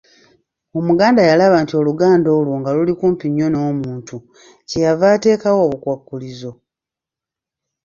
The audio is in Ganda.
Omuganda yalaba nti oluganda olwo nga luli kumpi nnyo n’omuntu kye yava ateekawo “obukwakkulizo.”